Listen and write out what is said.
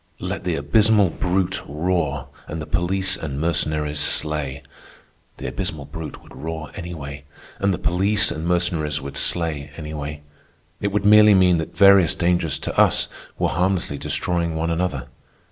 Let the abysmal brute roar and the police and Mercenaries slay. The abysmal brute would roar anyway, and the police and Mercenaries would slay anyway. It would merely mean that various dangers to us were harmlessly destroying one another.